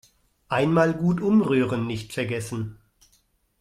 Einmal gut umrühren nicht vergessen.